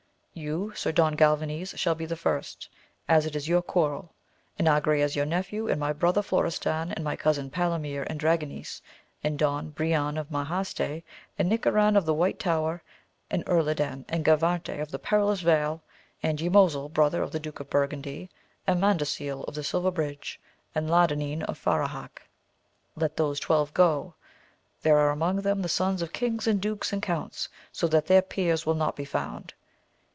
You, Sir Don Galvanes shall be the first, as it is your quarrel, and Agrayes your nephew, and my brother Florestan, and my cousins Palomir and Dragonis, and Don Brian of Monjaste, and Nicoran of the White Tower, and Urlandin and Gavarte of the Perilous Vale, and Ymosil brother to the Duke of Burgundy, and Madansil of the Silver Bridge, and Ladadin of Fajarque ; let those twelve go, there are among them the sons of kings and dukes and counts, so that their peers will not be found.